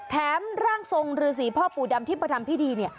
แถมร่างทรงฤษีพ่อปู่ดำที่ประดับพิธีเนี่ย